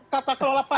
kata kelola pak